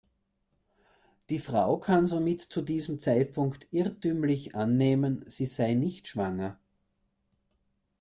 Die Frau kann somit zu diesem Zeitpunkt irrtümlich annehmen, sie sei nicht schwanger.